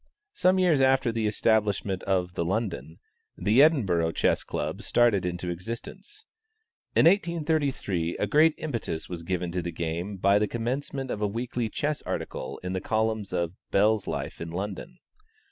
Some years after the establishment of the London, the Edinburgh Chess Club started into existence. In 1833, a great impetus was given to the game by the commencement of a weekly chess article in the columns of "Bell's Life in London."